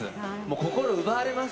心奪われますよね。